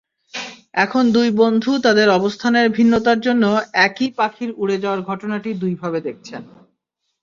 এখন দুই বন্ধু তাঁদের অবস্থানের ভিন্নতার জন্য একই পাখির উড়ে যাওয়ার ঘটনাটি দুইভাবে দেখছেন।